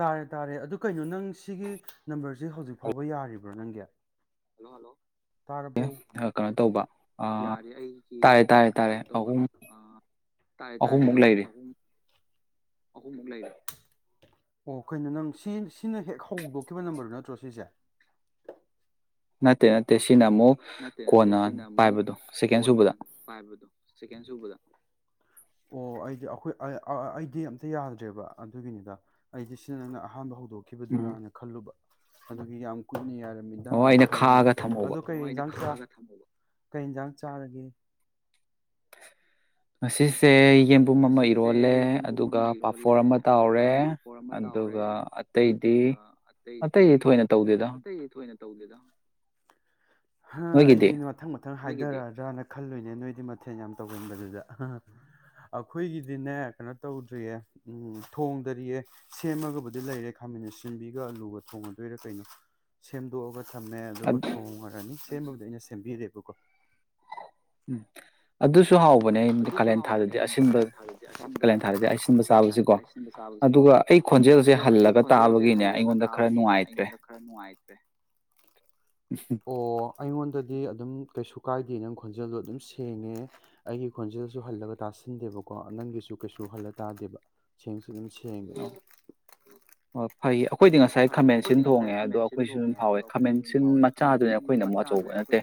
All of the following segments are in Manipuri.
ꯇꯥꯔꯦ ꯇꯥꯔꯦ ꯑꯗꯨ ꯀꯩꯅꯣ ꯅꯪ ꯁꯤꯒꯤ ꯅꯝꯕꯔꯁꯤ ꯍꯧꯖꯤꯛ ꯐꯥꯎꯕ ꯌꯥꯔꯤꯕ꯭ꯔꯣ ꯅꯪꯒꯤꯣꯂꯣ ꯇꯥꯔꯕ ꯌꯥꯔꯦ ꯑꯩꯒꯤ ꯀꯩꯅꯣ ꯇꯧꯕ ꯇꯥꯥꯏꯔꯦ ꯇꯥꯔꯦ ꯇꯥꯔꯦ ꯑꯍꯨꯝ ꯑꯍꯨꯝꯨꯛ ꯂꯩꯔꯤ ꯑꯣ ꯑꯩꯈꯣꯏꯅ ꯅꯪ ꯁꯤ ꯁꯤꯅ ꯍꯦꯛ ꯍꯧꯗꯣꯛꯈꯤꯕ ꯅꯝꯕꯔꯗꯨ ꯅꯠꯇ꯭ꯔꯣ ꯁꯤꯁꯦ ꯅꯠꯇꯦ ꯅꯠꯇꯦ ꯅꯠꯇꯦ ꯅꯠꯇꯦ ꯁꯤꯅ ꯑꯃꯨꯛ ꯀꯣꯟꯅ ꯄꯥꯏꯕꯗꯣ ꯁꯦꯀꯦꯟ ꯁꯨꯕꯗ ꯑꯣ ꯑꯩꯗꯤ ꯑꯩꯈꯣꯏ ꯑꯩꯗꯤ ꯑꯝꯇ ꯌꯥꯗ꯭ꯔꯦꯕ ꯑꯗꯨꯒꯤꯅꯤꯗ ꯑꯩꯗꯤ ꯁꯤꯗ ꯅꯪꯅ ꯑꯍꯥꯟꯕ ꯍꯧ ꯍꯧꯗꯣꯛꯈꯤꯕꯗꯨꯔꯥꯅ ꯈꯜꯂꯨꯕ ꯑꯗꯨꯒꯤ ꯌꯥꯝ ꯀꯅꯤ ꯌꯥꯔꯦ ꯑꯣ ꯑꯩꯅ ꯈꯥꯑꯒ ꯊꯝꯃꯕ ꯥꯡ ꯆ ꯊ ꯀꯩ ꯌꯦꯟꯁꯥꯡ ꯆꯥꯔꯒꯦ ꯃꯁꯤꯁꯤꯁꯦ ꯉꯁꯤꯁꯦ ꯌꯦꯟꯕꯨꯝ ꯑꯃ ꯂꯣꯜꯂꯦ ꯑꯗꯨꯒ ꯄꯥꯐꯣꯔ ꯑꯃ ꯇꯥꯎꯔꯦ ꯑꯗꯨꯒ ꯑꯇꯩꯗꯤ ꯑꯇꯩꯗꯤ ꯊꯣꯏꯅ ꯇꯧꯗꯦꯗ ꯑꯩꯗꯤ ꯃꯊꯪ ꯃꯊꯪ ꯍꯥꯏꯈꯔꯗ꯭ꯔꯥꯅ ꯈꯜꯂꯨꯅꯦ ꯅꯣꯏꯗꯤ ꯃꯊꯦꯜ ꯌꯥꯝ ꯇꯧꯁꯤꯟꯕꯗꯨꯗ ꯑꯩꯈꯣꯏꯒꯤꯗꯤꯅꯦ ꯀꯩꯅꯣ ꯇꯧꯗ꯭ꯔꯤꯌꯦ ꯊꯣꯡꯗꯔꯤꯌꯦ ꯁꯦꯝꯃꯒꯕꯨꯗꯤ ꯂꯩꯔꯦ ꯈꯥꯃꯟꯅ ꯁꯤꯟꯕꯤꯒ ꯑꯂꯨꯒ ꯊꯣꯡꯉꯗꯣꯏꯔꯥ ꯀꯩꯅꯣ ꯁꯦꯝꯗꯣꯛꯑꯒ ꯁꯝꯃꯦ ꯑꯗꯨꯒ ꯊꯣꯡꯉꯔꯅꯤ ꯑꯃꯗ ꯑꯩꯅ ꯁꯦꯝꯕꯤꯔꯦꯕꯀꯣ ꯎꯝ ꯎꯝ ꯑꯗꯨꯁꯨ ꯍꯥꯎꯕꯅꯦꯗꯤ ꯀꯥꯂꯦꯟ ꯊꯥꯗꯗꯤ ꯑꯌꯥꯝꯕ ꯀꯥꯂꯦꯟꯊꯥꯗꯗꯤ ꯑ ꯁꯤꯟꯕ ꯆꯥꯕꯁꯤꯀꯣ ꯑꯗꯨꯒ ꯑꯩ ꯈꯣꯟꯖꯦꯜꯁꯦ ꯍꯜꯂꯒ ꯇꯥꯕꯒꯤꯅꯦ ꯑꯩꯉꯣꯟꯗ ꯈꯔ ꯅꯨꯡꯉꯥꯏꯇ꯭ꯔꯦ ꯑꯣ ꯑꯩꯉꯣꯟꯗꯗꯤ ꯑꯗꯨꯝ ꯀꯩꯁꯨ ꯀꯥꯏꯗꯦ ꯅꯪ ꯈꯣꯟꯖꯦꯜꯗꯣ ꯑꯗꯨꯝ ꯁꯦꯡꯉꯦ ꯑꯩꯒꯤ ꯈꯣꯟꯖꯦꯜꯁꯨ ꯍꯜꯂꯒ ꯇꯥꯁꯤꯟꯗꯦꯕꯀꯣ ꯅꯪꯒꯤꯁꯨ ꯀꯩꯁꯨ ꯍꯜꯂ ꯇꯥꯗꯦꯕ ꯁꯦꯡ [unintelligible] [inaudible] ꯑꯩꯈꯣꯏꯗꯤ ꯉꯁꯥꯏ ꯈꯥꯃꯦꯟ ꯁꯤꯟ ꯊꯣꯡꯉꯦ ꯑꯗꯣ ꯑꯩꯈꯣꯏꯁꯨ ꯑꯗꯨꯝ ꯍꯥꯎꯋꯦ ꯈꯥꯃꯦꯟ ꯁꯤꯟ ꯃꯆꯥꯗꯨꯅꯦ ꯑꯩꯈꯣꯏꯅ ꯑꯃꯨꯛ ꯑꯆꯧꯕ ꯅꯠꯇꯦ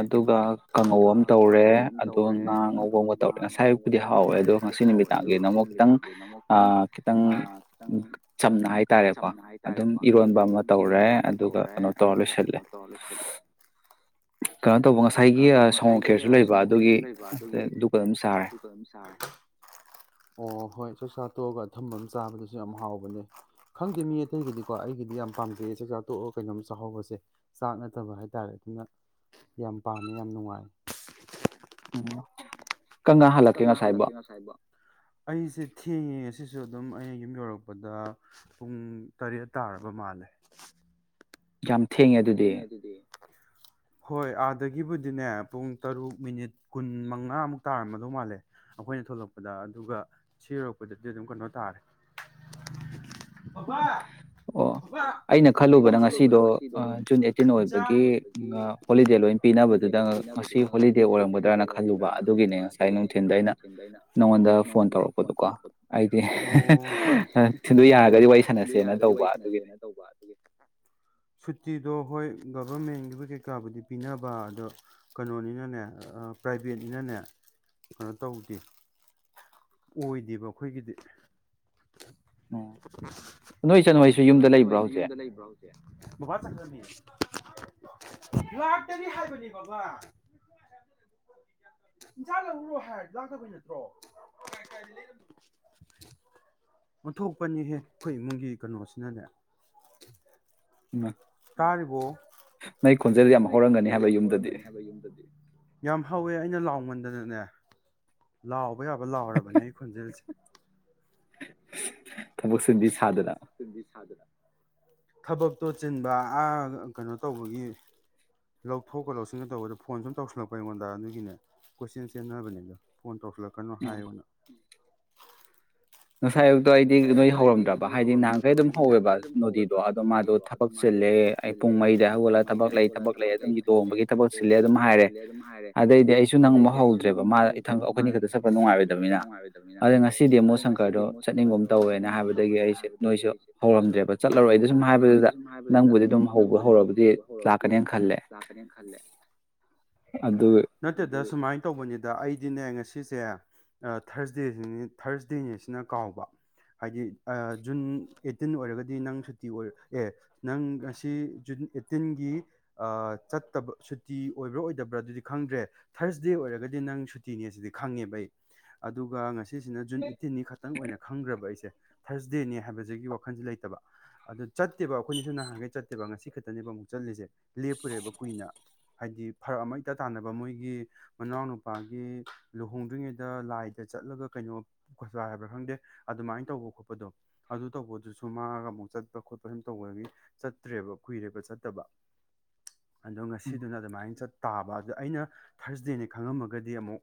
ꯑꯗꯨꯒ ꯀꯥꯡꯉꯧ ꯑꯃ ꯇꯧꯔꯦ ꯑꯗꯣ ꯉꯥ ꯑꯉꯧꯕ ꯑꯃꯒ ꯇꯧꯔꯦ ꯉꯁꯥꯏꯕꯨꯨꯗꯤ ꯍꯥꯎꯋꯦ ꯑꯗꯣ ꯉꯁꯤ ꯅꯨꯃꯤꯗꯥꯡꯒꯤꯅ ꯑꯃꯨꯛ ꯈꯤꯇꯪ ꯑꯥ ꯈꯤꯇꯪ ꯆꯝꯅ ꯍꯥꯏꯇꯥꯔꯦꯀꯣ ꯑꯗꯨꯝ ꯏꯔꯣꯟꯕ ꯑꯃ ꯇꯧꯔꯦ ꯑꯗꯨꯒ ꯀꯩꯅꯣ ꯇꯧꯔ ꯂꯣꯏꯁꯤꯜꯂꯦ ꯀꯩꯅꯣ ꯇꯧꯕ ꯉꯁꯥꯏꯒꯤ ꯑ ꯁꯪꯒꯣꯝ ꯈꯦꯜꯁꯨ ꯂꯩꯕ ꯑꯗꯨꯒꯤ ꯑꯗꯨꯒ ꯑꯗꯨꯝ ꯁꯥꯔꯦ ꯆ ꯆꯥꯇꯣꯛꯑꯒ ꯊꯝꯕ ꯑꯃ ꯆꯥꯕꯗꯁꯨ ꯌꯥꯝ ꯍꯥꯎꯕꯅꯦ ꯈꯪꯗꯦ ꯃꯤ ꯑꯇꯩꯒꯤꯗꯤꯀꯣ ꯑꯩꯒꯤꯗꯤ ꯌꯥꯝ ꯄꯥꯝꯖꯩ ꯆꯥꯛ ꯆꯥ ꯇꯣꯛꯑꯒ ꯀꯩꯅꯣꯝ ꯆꯥꯍꯧꯕꯁꯦ ꯆꯥꯛ ꯅꯠꯇꯕ ꯍꯥꯏꯇꯥꯔꯦ ꯑꯗꯨꯅ ꯌꯥꯝ ꯄꯥꯝꯃꯦ ꯌꯥꯝ ꯅꯨꯡꯉꯥꯏ ꯎꯝ ꯀꯟꯅ ꯍꯜꯂꯛꯀꯦ ꯉꯁꯥꯏꯕꯣ ꯑꯩꯁꯦ ꯊꯦꯡꯉꯁꯤ ꯁꯤꯁꯨ ꯑꯗꯨꯝ ꯑꯩꯅ ꯌꯨꯝ ꯌꯧꯔꯛꯄꯗ ꯄꯨꯡ ꯇꯔꯦꯠ ꯇꯥꯔꯕ ꯃꯥꯜꯂꯦ ꯌꯥꯝ ꯊꯦꯡꯉꯦ ꯑꯗꯨꯗꯤ ꯍꯣꯏ ꯑꯥꯗꯒꯤꯕꯨꯗꯤꯅꯦ ꯄꯨꯡ ꯇꯔꯨꯛ ꯃꯤꯅꯤꯠ ꯀꯨꯟ ꯃꯉꯥꯃꯨꯛ ꯇꯥꯔꯝꯃꯗꯧ ꯃꯥꯜꯂꯦ ꯑꯩꯈꯣꯏꯅ ꯊꯣꯛꯂꯛꯄꯗ ꯑꯗꯨꯒ ꯁꯤ ꯌꯧꯔꯛꯄꯗꯗꯤ ꯑꯗꯨꯝ ꯀꯩꯅꯣ ꯇꯥꯔꯦ ꯄꯄꯥ ꯄꯄꯥ ꯂꯧ ꯆꯠꯔꯨꯕꯔ [unintelligible] ꯖꯨꯟ ꯑꯩꯠꯇꯤꯟ ꯑꯣꯏꯕꯒꯤ ꯍꯣꯂꯤꯗꯦ ꯂꯣꯏ ꯄꯤꯅꯕꯗꯨꯗ ꯉꯁꯤ ꯍꯣꯂꯤꯗꯦ ꯑꯣꯏꯔꯝꯒꯗ꯭ꯔꯅ ꯈꯜꯂꯨꯕ ꯑꯗꯨꯒꯤꯅꯦ ꯉꯁꯥꯏ ꯅꯨꯡꯊꯤꯤꯟꯗ ꯑꯩꯅ ꯅꯉꯣꯟꯗ ꯐꯣꯟ ꯇꯧꯔꯛꯄꯗꯣꯀꯣ ꯑꯩꯗꯤ ꯊꯤꯟꯗꯣ ꯌꯥꯔꯒꯗꯤ ꯋꯥꯔꯤ ꯁꯥꯟꯅꯁ ꯒꯥꯔꯤ ꯋꯥꯔꯤ ꯁꯥꯟꯅꯁꯦꯅ ꯇꯧꯕ ꯑꯗꯨꯒꯤ ꯁꯨꯇꯤꯗꯣ ꯍꯣꯏ ꯒꯕꯔꯃꯦꯟꯒꯤꯕꯨ ꯀꯩꯀꯥꯕꯨꯗꯤ ꯄꯤꯅꯕ ꯑꯗꯣ ꯀꯩꯅꯣꯅꯤꯅꯅꯦ ꯄ꯭ꯔꯥꯏꯚꯦꯠꯅꯤꯅꯅꯦ ꯀꯩꯅꯣ ꯇꯧꯗꯦ ꯑꯣꯏꯗꯦꯕ ꯑꯩꯈꯣꯏꯒꯤꯗꯤ ꯑꯩꯈꯣꯏ ꯆꯥꯅꯣꯢꯁꯦ ꯌꯨꯝꯗ ꯂꯩꯕ꯭ꯔꯣ ꯍꯧꯖꯤꯛ ꯕꯪ ꯑꯣꯟꯊꯣꯛꯄꯅꯤꯍꯦ ꯑꯩꯈꯣꯏ ꯏꯃꯨꯡꯒꯤ ꯀꯩꯅꯣꯁꯤꯅꯅꯦ ꯇꯥꯔꯤꯕꯣ ꯅꯪ ꯈꯣꯟꯖꯦꯜ ꯌꯥꯝ ꯍꯧꯔꯝꯒꯅꯤ ꯍꯥꯏꯕ ꯌꯨꯝꯗꯗꯤ ꯌꯥꯝ ꯍꯧꯑꯦ ꯑꯩꯅ ꯂꯥꯎꯃꯟꯗꯅꯅꯦ ꯂꯥꯎ ꯄ ꯌꯥꯕ ꯂꯥꯎꯔꯕꯅꯦ ꯑꯩꯒꯤ ꯈꯣꯟꯖꯦꯜꯁꯦ ꯊꯥꯃꯨꯁ ꯊꯥꯃꯨꯁ ꯇꯥꯗꯤ ꯁꯥꯗꯅ ꯊꯕꯛꯇꯣ ꯆꯤꯟꯕꯥ ꯑꯤ ꯀꯩꯅꯣ ꯇꯧꯕꯒꯤ ꯂꯧꯊꯣꯛꯀ ꯂꯧꯁꯤꯟꯒ ꯇꯧꯕꯗꯣ ꯐꯣꯟ ꯁꯨꯝ ꯇꯧꯁꯤꯜꯂꯛꯄ ꯑꯩꯉꯣꯟꯗ ꯑꯗꯨꯒꯤꯅꯦ ꯀꯣꯏꯆꯦꯜ ꯆꯦꯟꯅꯕꯅꯤꯗꯣ ꯐꯣꯟ ꯇꯧ ꯄꯨꯠꯂꯛꯀꯅꯣ ꯍꯥꯏꯑꯣꯅ ꯉꯁꯥꯏ ꯑꯌꯨꯛꯇꯣ ꯑꯩꯗꯤ ꯅꯣꯏ ꯍꯧꯔꯝꯗ꯭ꯔꯕ ꯍꯥꯏꯗꯤ ꯅꯍꯥꯟꯈꯩ ꯑꯗꯨꯝ ꯍꯧꯋꯦꯕ ꯅꯣꯗꯤꯗꯣ ꯑꯗꯣ ꯃꯥꯗꯣ ꯊꯕꯛ ꯆꯤꯜꯂꯦ ꯑꯩ ꯄꯨꯡ ꯃꯔꯤꯗ ꯍꯧꯒꯠꯂꯒ ꯊꯕꯛ ꯂꯩ ꯊꯕꯛ ꯂꯩ ꯑꯗꯨꯝ ꯂꯍꯣꯡꯕꯒꯤ ꯊꯕꯛ ꯆꯤꯜꯂꯦ ꯑꯗꯨꯝ ꯍꯥꯏꯔꯦ ꯑꯗꯩꯗꯤ ꯑꯩꯁꯨ ꯅꯪꯕ ꯍꯧꯗ꯭ꯔꯦꯕ ꯃꯥ ꯏꯊꯪ ꯑꯩꯈꯣꯏꯅꯤ ꯈꯛꯇ ꯆꯠꯄ ꯅꯨꯡꯉꯥꯏꯔꯣꯏꯗꯅꯤꯅ ꯑꯗ ꯉꯁꯤꯗꯤ ꯑꯃꯨꯛ ꯁꯪ ꯟꯗꯣ ꯆꯠꯅꯤ ꯑꯗꯣ ꯆꯠꯅꯤꯡꯕ ꯑꯃ ꯇꯧꯋꯦꯅ ꯍꯥꯏꯕꯗꯒꯤ ꯑꯩꯁꯦ ꯅꯣꯏꯁꯨ ꯍꯧꯔꯝꯗ꯭ꯔꯦꯕ ꯆꯠꯂꯔꯣꯏ ꯑꯩꯗ ꯁꯨꯝ ꯍꯥꯏꯕꯗꯨꯗ ꯅꯪꯕꯨꯗꯤ ꯑꯗꯨꯝ ꯍꯧꯕ ꯍꯧꯔꯒꯗꯤ ꯂꯥꯛꯀꯅꯦꯅ ꯈꯜꯂꯦ ꯅꯠꯇꯗ ꯁꯨꯃꯥꯏ ꯇꯧꯕꯅꯤꯗ ꯑꯩꯗꯤꯅꯦ ꯉꯁꯤꯁꯦ ꯊꯔꯁꯗꯦꯁꯤꯅꯤ ꯊꯔꯁꯗꯦꯅꯤꯁꯤꯅ ꯀꯥꯎꯕ ꯍꯥꯏꯗꯤ ꯖꯨꯟ ꯑꯦꯠꯇꯤꯟ ꯑꯣꯏꯔꯒꯗꯤ ꯅꯪ ꯁꯨꯇꯤ ꯑꯦ ꯅꯪ ꯉꯁꯤ ꯖꯨꯟ ꯑꯦꯠꯇꯤꯟꯒꯤ ꯆꯠꯇꯕ ꯁꯨꯇꯤ ꯑꯣꯏꯕ꯭ꯔꯥ ꯑꯣꯏꯗꯕ꯭ꯔꯥ ꯑꯗꯨꯗꯤ ꯈꯪꯗ꯭ꯔꯦ ꯊꯔꯁ ꯗꯦ ꯑꯣꯏꯔꯒꯗꯤ ꯅꯪ ꯁꯨꯇꯤꯅꯦ ꯁꯤꯗꯤ ꯈꯪꯉꯦꯕ ꯑꯩ ꯑꯗꯨꯒ ꯉꯁꯤ ꯈꯪꯗ꯭ꯔꯕ ꯑꯩꯁꯦ ꯊꯔꯁꯗꯦꯅꯦ ꯍꯥꯏꯕꯕꯁꯤꯒꯤ ꯋꯥꯈꯟꯁꯦ ꯂꯩꯇꯕ ꯑꯗ ꯆꯠꯇꯦꯕ ꯑꯩꯈꯣꯏꯅꯁꯨ ꯅꯍꯥꯟꯈꯩ ꯆꯠꯇꯦꯕ ꯉꯁꯤ ꯈꯛꯇꯅꯦꯕ ꯑꯃꯨꯛ ꯆꯠꯂꯤꯁꯦ ꯂꯦꯞꯄꯨꯔꯦꯕ ꯀꯨꯏꯅ ꯍꯥꯏꯗꯤ ꯐꯔꯛ ꯑꯃ ꯏꯇꯥ ꯇꯥꯟꯅꯕ ꯃꯣꯏꯒꯤ ꯃꯅꯥꯎꯅ ꯅꯨꯄꯥꯒꯤ ꯂꯨꯍꯣꯡꯗ꯭ꯔꯤꯉꯩꯗ ꯂꯥꯏꯗ ꯆꯠꯂꯒ ꯀꯩꯅꯣꯁ ꯍꯥꯏꯕ꯭ꯔꯥ ꯈꯪꯗꯦ ꯑꯗꯨꯃꯥꯏꯅ ꯇꯧꯕ ꯈꯣꯠꯄꯗꯣ ꯑꯗꯨ ꯇꯧꯕꯗꯨꯁꯨ ꯃꯥꯒ ꯑꯃꯨꯛ ꯆꯠꯄ ꯈꯣꯠꯄ ꯁꯨꯝ ꯇꯧꯕꯒꯤ ꯆꯠꯇ꯭ꯔꯦꯕ ꯀꯨꯏꯔꯦꯕ ꯆꯠꯇꯕ ꯑꯗꯣ ꯉꯁꯤꯗꯨꯅ ꯑꯗꯨꯃꯥꯏꯅ ꯆꯠ ꯇꯥꯕ ꯑꯗꯨꯗ ꯑꯩꯅ ꯊꯥꯔꯁꯗꯦꯅꯦ ꯈꯪꯉꯝꯃꯒꯗꯤ ꯑꯃꯨꯛ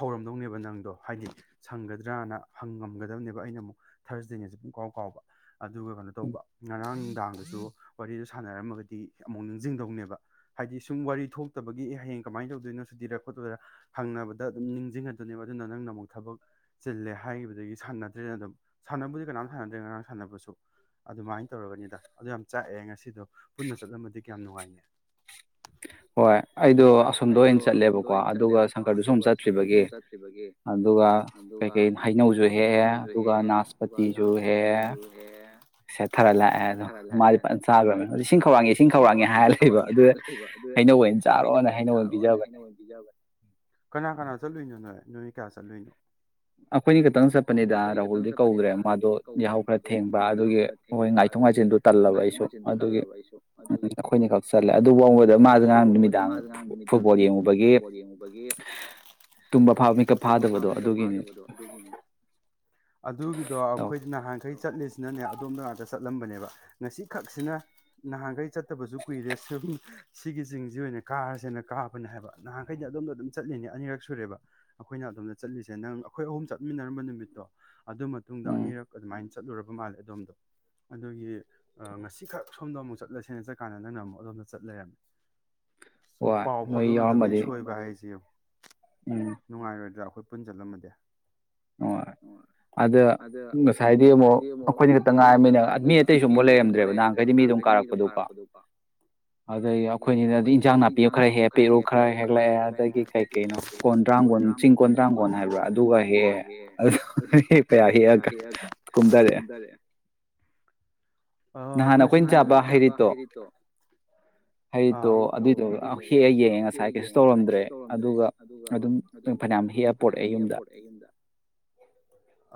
ꯍꯧꯔꯝꯗꯧꯅꯦꯕ ꯅꯪꯗꯣ ꯍꯥꯏꯗꯤ ꯁꯪꯒꯗ꯭ꯔꯅ ꯍꯪꯉꯝꯒꯗ ꯆꯗꯕꯅꯦꯕ ꯑꯩꯅ ꯑꯃꯨꯛ ꯊꯥꯔꯁꯗꯦꯅꯦꯁꯦ ꯄꯨꯡ ꯀꯥꯎ ꯀꯥꯎꯕ ꯑꯗꯨꯒ ꯀꯩꯅꯣ ꯇꯧꯕ ꯉꯔꯥꯡ ꯅꯨꯡꯗꯥꯡꯗꯁꯨ ꯋꯥꯔꯤꯗ ꯁꯥꯟꯅꯔꯝꯃꯒꯗꯤ ꯑꯃꯨꯛ ꯅꯤꯡꯁꯤꯡꯗꯧꯅꯦꯕ ꯍꯥꯏꯗꯤ ꯁꯨꯝ ꯋꯥꯔꯤ ꯊꯣꯛꯇꯕꯒꯤ ꯍꯌꯦꯡ ꯀꯃꯥꯏꯅ ꯇꯧꯗꯣꯏꯅꯣ ꯁꯨꯗꯤꯤꯔ ꯈꯣꯠꯇꯣꯏꯗꯔ ꯍꯪꯅꯕꯗ ꯑꯗꯨꯝ ꯅꯤꯡꯁꯤꯡꯉꯗꯣꯏꯅꯦꯕ ꯑꯗꯨꯅ ꯅꯪꯅ ꯑꯃꯨꯛ ꯊꯕꯛ ꯆꯤꯜꯂꯦ ꯍꯥꯏꯈꯤꯕꯗꯒꯤ ꯁꯥꯟꯅꯗ꯭ꯔꯦꯅ ꯑꯗꯨꯝ ꯁꯥꯟꯅꯕꯕꯨꯗꯤ ꯀꯅꯥꯝ ꯁꯥꯟꯅꯗ꯭ꯔꯦ ꯉꯔꯥꯡ ꯁꯥꯟꯅꯕꯁꯨ ꯑꯗꯨꯃꯥꯏꯅ ꯇꯧꯔꯒꯅꯤꯗ ꯑꯗꯨ ꯌꯥꯝ ꯆꯥꯛꯑꯦ ꯉꯁꯤꯗꯣ ꯄꯨꯟꯅ ꯆꯠꯂꯝꯃꯗꯤ ꯀ ꯌꯥꯝ ꯅꯨꯡꯉꯥꯏꯅꯤ [inaudible] ꯍꯣꯏ ꯑꯩꯗꯣ ꯑꯁꯣꯝꯗ ꯑꯣꯏꯅ ꯆꯠꯂꯦꯕꯀꯣ ꯑꯗꯨꯒ ꯁꯪꯀꯔꯗꯨ ꯁꯨꯝ ꯆꯠꯇ꯭ꯔꯤꯕꯒꯤ ꯑꯗꯨꯒ ꯀꯩꯀꯩ ꯍꯩꯅꯧꯁꯨ ꯍꯦꯛꯑꯦ ꯑꯗꯨꯒ ꯅꯥꯁꯄꯇꯤꯁꯨ ꯍꯦꯛꯑꯦ ꯁꯦꯠꯊꯔ ꯂꯥꯛꯑꯦ ꯑꯗꯣ ꯃꯥꯗꯤ ꯆꯥꯈ꯭ꯔꯕ ꯑꯗꯨ ꯏꯁꯤꯡ ꯈꯧꯔꯥꯡꯉꯦ ꯏꯁꯤꯡ ꯈꯧꯔꯥꯡꯉꯦ ꯍꯥꯏꯔ ꯂꯩꯕ ꯑꯗꯨꯗ ꯍꯩꯅꯧ ꯑꯣꯏꯅ ꯆꯥꯔꯣꯅ ꯍꯩꯅꯧ ꯑꯣꯏꯅ ꯄꯤꯖꯕꯅꯦ ꯀꯅꯥ ꯀꯅꯥ ꯆꯠꯂꯨꯏꯅꯣ ꯅꯣꯏ ꯅꯣꯏ ꯀꯌꯥ ꯆꯠꯂꯨꯏꯅꯣ ꯑꯩꯈꯣꯏꯅꯤ ꯈꯛꯇꯪ ꯆꯠꯄꯅꯤꯗ ꯔꯥꯍꯨꯜꯗꯤ ꯀꯧꯗ꯭ꯔꯦ ꯃꯥꯗꯣ ꯌꯥꯍꯧ ꯈꯔ ꯊꯦꯡꯕ ꯑꯗꯨꯒꯤ ꯑꯩꯈꯣꯏ ꯉꯥꯏꯊꯣꯛ ꯉꯥꯏꯁꯤꯦꯟꯗꯣ ꯇꯜꯂꯕ ꯑꯩꯁꯨ ꯑꯗꯨꯒꯤ ꯑꯩꯈꯣꯏꯅꯤ ꯈꯛ ꯆꯠꯂꯦ ꯑꯗꯨꯕꯨ ꯑꯃꯕꯗ ꯃꯥꯁꯦ ꯉꯔꯥꯡ ꯅꯨꯃꯤꯗꯥꯡ ꯐꯨꯠꯕꯣꯜ ꯌꯦꯡꯉꯨꯕꯒꯤ ꯇꯨꯝꯕꯥꯕ ꯃꯤꯀꯞ ꯐꯥꯗꯕꯗꯣ ꯑꯗꯨꯒꯤꯅꯤ ꯑꯗꯨꯒꯤꯅꯤ ꯑꯗꯨꯒꯤꯗꯣ ꯑꯩꯈꯣꯏꯗ ꯅꯍꯥꯟꯈꯩ ꯆꯠꯂꯤꯁꯤ ꯅꯅꯦ ꯑꯗꯣꯝꯗ ꯉꯥꯛꯇ ꯆꯠꯂꯝꯕꯅꯦꯕ ꯉꯁꯤꯈꯛꯁꯤꯅ ꯅꯍꯥꯟꯈꯩ ꯆꯠ ꯠꯇꯕꯁꯨ ꯀꯨꯏꯔꯦꯁꯦ ꯁꯤꯒꯤ ꯆꯤꯡꯁꯤ ꯑꯣꯏꯅ ꯀꯥꯔꯁꯦꯅ ꯀꯥꯕꯅꯦ ꯍꯥꯏꯕ ꯅꯍꯥꯟꯈꯩꯗꯤ ꯑꯗꯣꯝꯗ ꯑꯗꯨꯝ ꯆꯠꯂꯤꯅꯦ ꯑꯅꯤꯔꯛ ꯁꯨꯔꯦꯕ ꯑꯩꯈꯣꯏꯅ ꯑꯣꯝꯗ ꯆꯠꯂꯤꯁꯦ ꯅꯪ ꯑꯩꯈꯣꯏ ꯑꯍꯨꯝ ꯆꯠꯃꯤꯟꯅꯔꯝꯕ ꯅꯨꯃꯤꯠ ꯠꯇ ꯑꯗꯨ ꯃꯇꯨꯡꯗ ꯑꯅꯤꯔꯛ ꯑꯗꯨꯃꯥꯏꯅ ꯆꯠꯂꯨꯔꯕ ꯃꯥꯜꯂꯦ ꯑꯗꯣꯝꯗꯣ ꯑꯗꯨꯒꯤ ꯉꯁꯤꯈꯛ ꯁꯣꯝꯗ ꯑꯃꯨꯛ ꯆꯠꯂꯁꯤ ꯆꯠꯀꯥꯟꯗ ꯅꯪꯅ ꯑꯃꯨꯛ ꯑꯗꯣꯝꯗ ꯆꯠ ꯂꯩꯔꯝꯃꯦ ꯁ ꯄꯥꯎ ꯐꯥꯎꯗꯣꯛꯅꯗꯕꯩ ꯁꯣꯏꯕ ꯍꯥꯏꯁꯦ ꯅꯨꯡꯉꯥꯏꯔꯣꯏꯗ꯭ꯔꯥ ꯑꯩꯈꯣꯏ ꯄꯨꯟꯁꯤꯜꯂꯝꯃꯗꯦ ꯑꯣ ꯑꯗ ꯉꯁꯥꯏꯗꯤ ꯑꯃꯨꯛ ꯑꯩꯈꯣꯏ ꯈꯛꯇ ꯉꯥꯏꯔꯝꯃꯤꯅ ꯃꯤ ꯑꯇꯩꯁꯨ ꯑꯃꯨꯥꯎ ꯂꯩꯔꯝꯗ꯭ꯔꯦꯕ ꯅꯍꯥꯟꯈꯩꯗꯤ ꯃꯤ ꯑꯗꯨꯝ ꯀꯥꯔꯛꯄꯗꯨꯀꯣ ꯑꯗꯒꯤ ꯑꯩꯈꯣꯏꯅꯤꯅꯗꯤ ꯏꯟꯖꯥꯡ ꯅꯥꯄꯤꯌꯣ ꯈꯔ ꯍꯦꯛ ꯄꯤꯔꯨ ꯈꯔ ꯍꯦꯛꯂꯛꯑꯦ ꯑꯗꯒꯤ ꯀꯩ ꯀꯩꯅꯣ ꯀꯣꯟ ꯗ꯭ꯔꯥꯡꯒꯣꯟ ꯆꯤꯡ ꯀꯣꯟ ꯗ꯭ꯔꯥꯡ ꯀꯣꯟ ꯍꯥꯏꯕ꯭ꯔꯥ ꯑꯗꯨꯒ ꯍꯦꯛ ꯍꯦꯛ ꯀꯌꯥ ꯍꯦꯛꯑꯒ ꯀꯨꯝꯊꯔꯛꯑꯦ ꯑꯩꯈꯣꯏꯄꯦꯟ ꯆꯥꯕ ꯍꯩꯔꯤꯠꯇꯣ ꯍꯔꯤꯠꯇꯣ ꯑꯗꯨꯏꯗꯨꯣ ꯍꯦꯛꯑ ꯌꯦꯡ ꯉꯁꯥꯏ ꯀꯩꯁꯨ ꯇꯧꯔꯝꯗ꯭ꯔꯦ ꯑꯗꯨꯒ ꯑꯗꯨꯝ ꯐꯅꯌꯥꯝ ꯍꯦꯛꯑ ꯄꯣꯔꯛꯑꯦ ꯌꯨꯝꯗ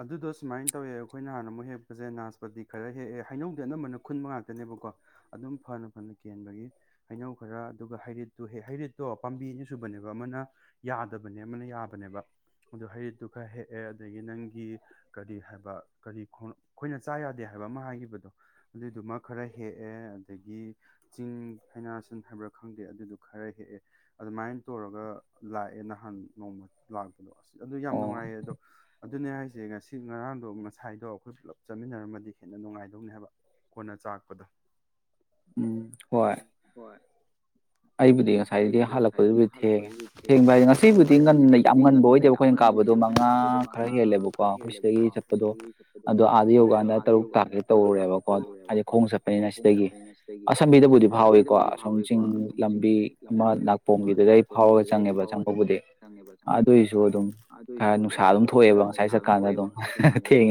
ꯑꯗꯨꯗꯣ ꯁꯨꯃꯥꯏꯅ ꯇꯧꯋꯦ ꯑꯩꯈꯣꯏꯅ ꯍꯥꯟꯅ ꯑꯃꯨꯛ ꯍꯦꯛꯄꯁꯦ ꯅꯥꯁꯄꯇꯤ ꯈꯔ ꯍꯦꯛꯑꯦ ꯍꯩꯅꯧꯗꯤ ꯑꯅꯝꯕꯅ ꯈꯨꯟꯕ ꯉꯥꯛꯇꯅꯦꯕꯀꯣ ꯑꯗꯨꯝ ꯐꯅ ꯐꯅ ꯀꯦꯟꯕꯒꯤ ꯍꯩꯅꯧ ꯈꯔ ꯑꯗꯨꯒ ꯍꯩꯔꯤꯠꯇꯨꯦꯛ ꯍꯩꯔꯤꯠꯇꯣ ꯄꯥꯝꯕꯤ ꯑꯅꯤ ꯁꯨꯕꯅꯦꯕ ꯑꯃꯅ ꯌꯥꯗꯕꯅꯦ ꯑꯃꯅ ꯌꯥꯕꯅꯦꯕ ꯑꯗꯨ ꯍꯩꯔꯤꯠꯇꯨ ꯈꯔ ꯍꯦꯛꯑꯦ ꯑꯗꯒꯤ ꯅꯪꯒꯤ ꯀꯔꯤ ꯍꯥꯏꯕ ꯀꯔꯤ ꯑꯩꯈꯣꯏꯅ ꯆꯥ ꯌꯥꯗꯦ ꯍꯥꯏꯕ ꯑꯃ ꯍꯥꯏꯈꯤꯕꯗꯣ ꯑꯗꯨꯏꯗꯨꯃ ꯈꯔ ꯍꯦꯛꯑꯦ ꯑꯗꯨꯗꯒꯤ ꯆꯤꯡ ꯐꯥꯏꯅꯥꯁꯤꯟ ꯍꯥꯏꯕ꯭ꯔꯥ ꯈꯪꯗꯦ ꯑꯗꯨꯗꯨꯣ ꯈꯔ ꯑꯗꯨ ꯃꯥꯏꯟ ꯇꯧꯔꯒ ꯂꯥꯛꯑꯦ ꯅꯍꯥꯟ ꯅꯣꯡꯃ ꯂꯥꯛꯄꯗꯣ ꯑꯁ ꯑꯗꯨ ꯌꯥꯝ ꯅꯨꯡꯉꯥꯏꯌꯦ ꯑꯗꯣ ꯑꯗꯨꯅꯦ ꯍꯥꯏꯁꯦ ꯉꯁꯤ ꯉꯔꯥꯡꯗꯣ ꯉꯁꯥꯏꯗꯣ ꯑꯩꯈꯣꯏ ꯄꯨꯂꯞ ꯆꯠꯃꯤꯟꯅꯔꯝꯃꯗꯤ ꯍꯦꯟꯅ ꯅꯨꯡꯉꯥꯏꯗꯧꯅꯦ ꯍꯥꯏꯕ ꯀꯣꯟꯅ ꯆꯥꯛꯄꯗ ꯎ ꯍꯣꯏ ꯑꯩꯕꯨꯗꯤ ꯉꯁꯥꯏꯗꯗꯤ ꯍꯜꯂꯛꯄꯗꯨꯕꯨꯗꯤ ꯊꯦꯡꯉꯦ ꯊꯦꯡꯕ ꯍꯥꯏꯖꯤ ꯉꯁꯤꯕꯨꯗꯤ ꯉꯟꯅ ꯌꯥꯝ ꯉꯟꯕ ꯑꯣꯏꯗꯦꯕ ꯑꯩꯈꯣꯏꯅ ꯀꯥꯕꯗꯣ ꯃꯉꯥ ꯈꯔ ꯍꯦꯜꯂꯦꯕꯀꯣ ꯑꯩꯈꯣꯏ ꯁꯤꯗꯒꯤ ꯆꯠꯄꯗꯣ ꯑꯗꯣ ꯑꯥꯗ ꯌꯧꯀꯥꯟꯗ ꯇꯔꯨꯛ ꯇꯥꯒꯦ ꯇꯧꯔꯦꯕꯀꯣ ꯍꯥꯏꯗꯤ ꯈꯣꯡ ꯆꯠꯄꯅꯤꯅ ꯁꯤꯗꯒꯤ ꯑꯁꯝꯕꯤꯗꯕꯨꯗꯤ ꯐꯥꯎꯋꯦꯀꯣ ꯑꯁꯣꯝ ꯆꯤꯡ ꯂꯝꯕꯤ ꯑꯃ ꯅꯥꯄꯣꯝꯒꯤꯗꯨꯗ ꯐꯥꯎꯔꯒ ꯆꯪꯉꯦꯕ ꯆꯪꯕꯕꯨꯗꯤ ꯑꯗꯨꯏꯖꯨ ꯑꯗꯨꯝ ꯈꯔ ꯅꯨꯡꯁꯥ ꯑꯗꯨꯝ ꯅꯨꯡꯁꯥ ꯑꯗꯨꯝ ꯊꯣꯛꯑꯦꯕ ꯉꯁꯥꯏ ꯆꯠꯀꯥꯟꯗ ꯑꯗꯨꯝ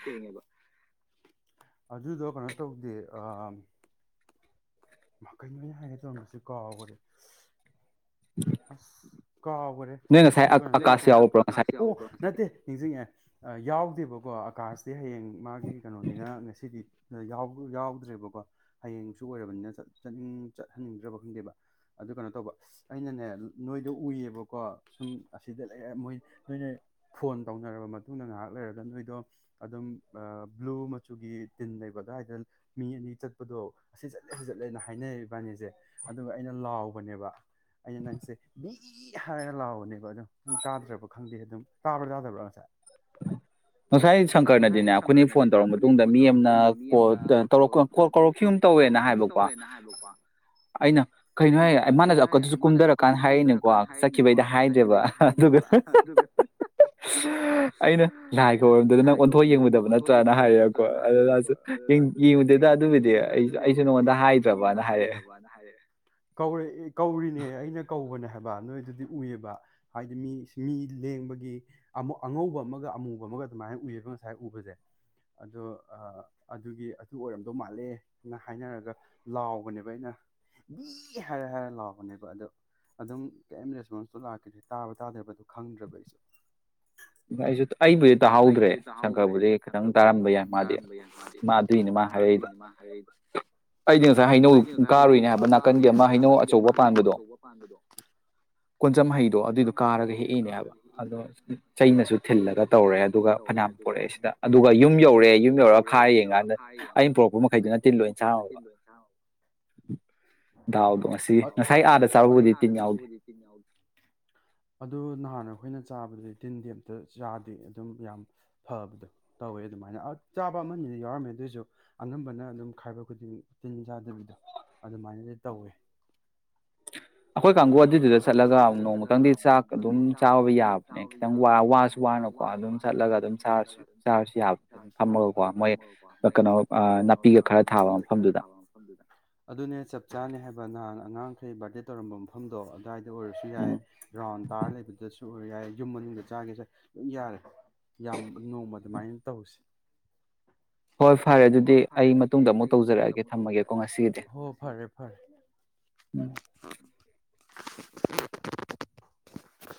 ꯊꯦꯡꯉꯦꯕ꯫ ꯑꯗꯨꯗꯣ ꯀꯩꯅꯣ ꯇꯧꯗꯦ ꯃ ꯀꯩꯅꯣ ꯑꯩꯅ ꯍꯥꯏꯒꯦ ꯇꯧꯔꯝꯃꯤꯖꯦ ꯀꯥꯎꯒꯔꯦ꯫ ꯑꯁ꯫ ꯀꯥꯎꯒꯔꯦ ꯑꯗꯨ ꯀꯩꯅꯣ ꯅꯣꯏ ꯉꯁꯥꯏ ꯑꯀꯥꯁ ꯌꯥꯎꯕꯗꯣ ꯑꯣ ꯅꯠꯇꯦ ꯅꯤꯡꯁꯤꯡꯉꯦ꯫ ꯌꯥꯎꯗꯦꯕꯀꯣ ꯑꯀꯥꯁꯇꯤ ꯍꯌꯦꯡ ꯃꯥꯒꯤ ꯑꯩꯒꯤ ꯀꯩꯅꯣꯅꯤꯅ ꯉꯁꯤꯗꯤ꯫ ꯌꯥꯎ ꯌꯥꯎꯗ꯭ꯔꯦꯕꯀꯣ ꯍꯌꯦꯡꯖꯨ ꯑꯣꯏꯔꯕꯅꯤꯅ ꯆꯠ ꯅꯤꯡ ꯆꯠꯍꯟꯅꯤꯡꯗ꯭ꯔꯕ ꯈꯪꯗꯦꯕ ꯑꯗꯨ ꯀꯩꯅꯣ ꯇꯧꯕ ꯑꯩꯅꯅꯦ ꯅꯣꯏꯗꯣ ꯎꯏꯑꯕꯀꯣ ꯁꯨꯝ ꯑꯁꯤꯗ ꯂꯩꯔꯦ ꯃꯣꯏ ꯅꯣꯏꯅ ꯐꯣꯟ ꯇꯧꯅꯔꯕ ꯃꯇꯨꯡꯗ ꯉꯍꯥꯛ ꯂꯩꯔꯒ ꯅꯣꯏꯗꯣ ꯑꯗꯨꯝ ꯑ ꯕꯂꯨ ꯃꯆꯨꯒꯤ ꯇꯤꯟ ꯂꯩꯕ ꯑꯗꯨꯋꯥꯏꯗ ꯃꯤ ꯑꯅꯤ ꯆꯠꯄꯗꯣ ꯑꯁꯤ ꯆꯠꯂꯦ ꯑꯁꯤ ꯆꯠꯂꯦꯅ ꯍꯥꯏꯅꯔꯦ ꯏꯕꯥꯏꯅꯤꯖꯦ ꯑꯗꯨꯒ ꯑꯩꯅ ꯂꯥꯎꯕꯅꯦꯕ ꯑꯩꯅ ꯅꯪ ꯃꯤ ꯍꯥꯏꯔꯒ ꯂꯥꯎꯕꯅꯦꯕ ꯑꯗꯨ ꯇꯥꯗ꯭ꯔꯕ ꯈꯪꯗꯦ ꯑꯗꯨꯝ ꯇꯥꯕ꯭ꯔꯥ ꯇꯥꯗꯕ꯭ꯔꯥ ꯉꯁꯥꯏ꯫ ꯉꯁꯥꯏ ꯁꯪꯀꯔꯅꯗꯤꯅꯦ ꯑꯩꯈꯣꯏꯅ ꯐꯣꯟ ꯇꯧꯔ ꯃꯇꯨꯡꯗ ꯃꯤ ꯑꯃꯅ ꯀꯣꯜ ꯊꯧꯔꯛ ꯀꯧꯔꯛꯈꯤꯒꯨꯝ ꯇꯧꯋꯦ ꯍꯥꯏꯕꯀꯣ ꯑꯩꯅ ꯀꯩꯅꯣ ꯍꯥꯏ ꯃꯥꯅꯖꯨ ꯑꯪꯀꯖꯨ ꯀꯨꯝꯗꯔꯛꯀꯥꯟꯗ ꯍꯥꯏꯔꯤꯅꯦꯀꯣ ꯆꯠꯈꯤꯕꯩꯗ ꯍꯥꯏꯗ꯭ꯔꯦꯕ ꯑꯗꯨꯒ ꯑꯩꯅ ꯂꯥꯏꯒ ꯑꯣꯏꯔꯝ ꯂꯥꯏꯒ ꯑꯣꯏꯔꯝꯗꯗꯅ ꯅꯪ ꯑꯣꯟꯊꯣꯛꯑ ꯌꯦꯡꯉꯨꯗꯕ ꯅꯠꯇ꯭ꯔꯥꯅ ꯍꯥꯏꯔꯦꯕꯀꯣ ꯑꯗꯨ [unintelligible] ꯌꯦꯡꯉꯨꯗꯦꯗ ꯑꯗꯨꯒꯤꯗꯤ ꯑꯩ ꯑꯩꯖꯨ ꯅꯉꯣꯟꯗ ꯍꯥꯏꯗ꯭ꯔꯕꯅ ꯍꯥꯏꯔꯛꯑꯦ꯫ ꯀꯧꯔꯛꯏ ꯀꯧꯔꯤꯅꯦ ꯑꯩꯅ ꯀꯧꯕꯅꯦ꯫ ꯍꯥꯏꯕ ꯅꯣꯏꯗꯨꯗꯤ ꯎꯨꯏꯑꯕ ꯍꯥꯏꯗꯤ ꯃꯤ ꯃꯤ ꯂꯦꯡꯕꯒꯤ ꯑꯃꯨ ꯑꯉꯧꯕ ꯑꯃꯒ ꯑꯃꯨꯕ ꯑꯃꯒ ꯑꯗꯨꯃꯥꯏꯅ ꯎꯨꯏꯑꯕ ꯉꯁꯥꯏ ꯎꯕꯖꯦ ꯑꯗꯣ ꯑ ꯑꯗꯨꯒꯤ ꯑꯗꯨ ꯑꯣꯏꯔꯝꯗꯧ ꯃꯥꯜꯂꯦꯅ ꯍꯥꯏꯅꯔꯒ ꯂꯥꯎꯕꯅꯦꯕ ꯑꯩꯅ ꯕꯤ ꯍꯥꯏꯔ ꯍꯥꯏꯔ ꯂꯥꯎꯕꯅꯦꯕ ꯑꯗꯣ ꯑꯗꯨꯝ ꯀꯔꯤꯝ ꯔꯦꯁꯄꯣꯟꯁꯇꯣ ꯂꯥꯛꯈꯤꯗ꯭ꯔꯦ ꯇꯥꯕꯔ ꯇꯥꯗꯕꯔꯗꯣ ꯈꯪꯗ꯭ꯔꯕ ꯑꯩꯁꯨ꯫ ꯑꯩꯩꯖꯨ ꯑꯩꯕꯨꯗ ꯇꯥꯍꯧ ꯑꯩꯕꯨꯗꯤ ꯇꯥꯍꯧꯗ꯭ꯔꯦ ꯁꯪꯀꯔꯕꯨꯗꯤ ꯈꯤꯇꯪ ꯇꯥꯔꯝꯕ ꯌꯥꯏ ꯃꯥꯗꯤ ꯃꯥ ꯑꯗꯨꯏꯅꯦ ꯃꯥ ꯍꯥꯏꯔꯛꯏꯗꯣ ꯑꯩꯗꯤ ꯉꯁꯥꯏ ꯍꯩꯅꯧ ꯀꯥꯔꯨꯏꯅꯦ ꯍꯥꯏꯕ ꯅꯥꯀꯟꯒꯤ ꯑꯃ ꯍꯩꯅꯧ ꯑꯆꯧꯕ ꯄꯥꯟꯕꯗꯣ ꯀꯣꯟꯆꯝ ꯍꯩꯗꯣ ꯑꯗꯨꯏꯗꯣ ꯀꯥꯔꯒ ꯍꯦꯛꯏꯅꯦ ꯍꯥꯏꯕ ꯆꯩꯅꯁꯨ ꯊꯤꯜꯂꯒ ꯇꯧꯔꯦ꯫ ꯇꯧꯔꯦ ꯑꯗꯨꯒ ꯐꯅꯥꯝ ꯄꯨꯔꯛꯑꯦ ꯁꯤꯗ ꯑꯗꯨꯒ ꯌꯨꯝ ꯌꯧꯔꯦ ꯌꯨꯝ ꯌꯧꯔꯒ ꯈꯥꯏ ꯌꯦꯡ ꯀꯥꯟꯗ ꯑꯩꯅ ꯄꯔꯛꯄ ꯃꯈꯩꯗꯨꯅ ꯇꯤꯟ ꯂꯣꯏꯅ ꯆꯥꯔꯝꯃꯕ ꯗꯥꯎꯗꯣ ꯉꯁꯤꯒꯤ ꯑꯗꯣ ꯉꯁꯥꯏ ꯑꯥꯗ ꯆꯥꯕꯕꯨꯗꯤ ꯇꯤꯟ ꯌꯥꯎꯗꯦ ꯑꯗꯨ ꯅ ꯍꯥꯟꯅ ꯑꯩꯈꯣꯏꯅ ꯆꯥꯕꯗꯨꯗꯤ ꯇꯤꯟꯗꯤ ꯑꯝꯇ ꯆꯥꯗꯦ꯫ ꯑꯗꯨꯝ ꯌꯥꯝ ꯐꯕꯗꯣ ꯇꯧꯋꯦ ꯑꯗꯨꯃꯥꯏꯅ ꯆꯥꯕ ꯑꯃꯅꯤꯗꯤ ꯌꯥꯎꯔꯝꯃꯦ ꯑꯗꯨꯑꯣꯏꯖꯨ ꯑꯅꯝꯕꯅ ꯑꯗꯨꯝ ꯈꯥꯏꯕ ꯈꯨꯗꯤꯡ ꯇꯤꯟ ꯆꯥꯗꯕꯤꯗꯣ ꯑꯗꯨꯃꯥꯏꯅꯗꯤ ꯇꯧꯋꯦ꯫ ꯑꯩꯈꯣꯏ ꯀꯥꯡꯒꯨ ꯑꯗꯨꯗꯨꯗ ꯆꯠꯂꯒ ꯅꯣꯡꯃꯛꯇꯪꯗꯤ ꯆꯥꯛ ꯑꯗꯨꯝ ꯆꯥꯕ ꯌꯥꯕꯅꯦ ꯈꯤꯇꯪ ꯋꯥ ꯋꯥꯁꯨ ꯋꯥꯅꯀꯣ ꯑꯗꯨꯝ ꯆꯠꯂꯒ ꯑꯗꯨꯝ ꯆꯥꯁꯨ ꯆꯥꯔꯁꯨ ꯌꯥꯕꯅꯦ ꯑꯗꯨ ꯐꯝꯃꯒꯀꯣ ꯃꯣꯏ ꯀꯩꯅꯣ ꯅꯥꯄꯤꯒ ꯈꯔ ꯊꯥꯕ ꯃꯐꯝꯗꯨꯗ ꯑꯗꯨꯅꯦ ꯆꯞ ꯆꯥꯅꯦ ꯍꯥꯏꯕ ꯅ꯫ ꯑꯉꯥꯡꯈꯩ ꯕꯥꯔꯗꯦ ꯇꯧꯔꯝꯕ ꯃꯐꯝꯗꯣ ꯑꯗꯥꯏꯗ꯫ ꯑꯣꯏꯔꯁꯨ ꯌꯥꯏ ꯔꯥꯎꯟ ꯇꯥꯔ ꯂꯩꯕꯗꯨꯗꯁꯨ꯫ ꯍꯣꯏ ꯌꯥꯏ ꯌꯨꯝ ꯃꯅꯨꯡꯗ ꯆꯥꯒꯦꯁꯨ ꯑꯗꯨ ꯌꯥꯔꯦ ꯌꯥꯝ ꯅꯣꯡꯃ ꯑꯗꯨꯃꯥꯏꯅ ꯇꯧꯁꯦ꯫ ꯍꯣꯏ ꯐꯔꯦ ꯑꯗꯨꯗꯤ ꯑꯩ ꯃꯇꯨꯡꯗ ꯑꯃꯨꯛ ꯇꯧꯖꯔꯛꯑꯒꯦ ꯊꯝꯃꯒꯦꯀꯣ ꯉꯁꯤꯒꯤꯗꯤ ꯍꯣ ꯐꯔꯦ ꯐꯔꯦ꯫ [unintelligible]